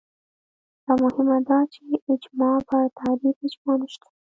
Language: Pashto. لا مهمه دا چې اجماع پر تعریف اجماع نشته